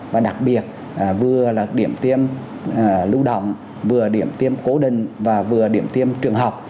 và đặc biệt vừa là điểm tiêm lưu động vừa điểm tiêm cố định và vừa điểm tiêm trường học